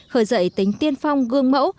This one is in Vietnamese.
khởi dậy tính tiên phong gương mẫu